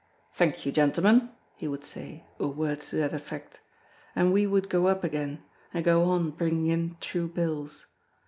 "Thank you, gentlemen!" he would say, or words to that effect; and we would go up again, and go on bringing in true bills.